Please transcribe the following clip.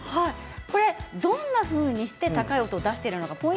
どんなふうにして高い音を出しているのか